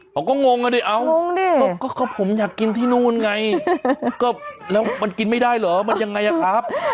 งงอ่ะดิเอางงดิผมอยากกินที่นู่นไงก็แล้วมันกินไม่ได้เหรอมันยังไงอะครับ